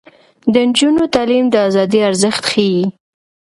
د نجونو تعلیم د ازادۍ ارزښت ښيي.